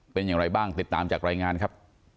เป็นอย่างไรบ้างติดตามจากรายงานครับ